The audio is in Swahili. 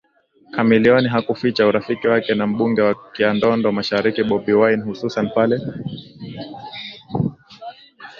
Chameleone hakuficha urafiki wake na mbunge wa Kyadondo mashariki Bobi Wine hususan pale